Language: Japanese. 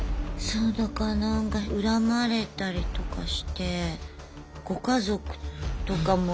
そうだからなんか恨まれたりとかしてご家族とかも。